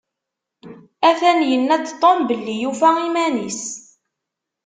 Atan yenna-d Tom belli yufa iman-is.